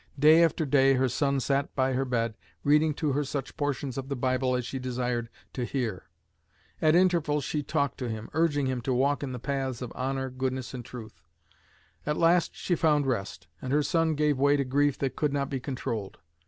Day after day her son sat by her bed reading to her such portions of the Bible as she desired to hear. At intervals she talked to him, urging him to walk in the paths of honor, goodness, and truth. At last she found rest, and her son gave way to grief that could not be controlled.